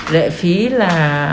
lệ phí là